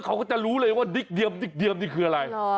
เขาก็จะรู้เลยว่าดิกเดียมคืออะไร